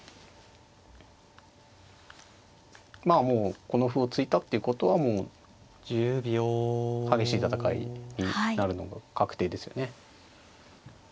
まあもうこの歩を突いたっていうことはもう激しい戦いになるのが確定ですよね。